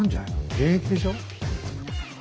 現役でしょ？